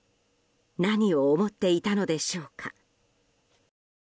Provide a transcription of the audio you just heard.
何を思っていたのでしょうか。